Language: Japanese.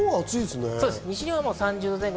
西日本も３０度前後。